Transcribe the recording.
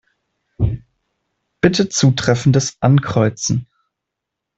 Bitte Zutreffendes ankreuzen.